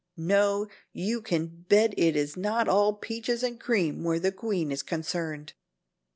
No, you can bet it is not all 'peaches and cream' where the queen is concerned."